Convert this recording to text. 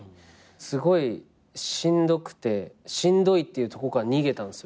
すごいしんどくてしんどいっていうとこから逃げたんですよ。